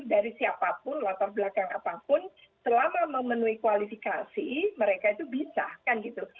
dari siapapun latar belakang apapun selama memenuhi kualifikasi mereka itu bisa kan gitu